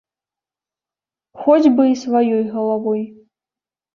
Хоць бы і сваёй галавой!